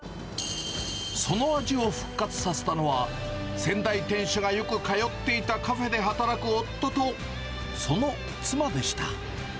その味を復活させたのは、先代店主がよく通っていたカフェで働く夫と、その妻でした。